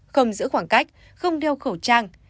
không giữ khoảng cách không đeo khẩu trang